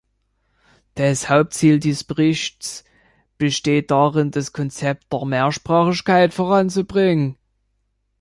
Das Hauptziel dieses Berichts besteht darin, das Konzept der Mehrsprachigkeit voranzubringen.